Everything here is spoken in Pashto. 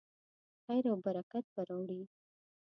خیر او برکت به راوړي.